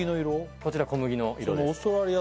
こちら小麦の色です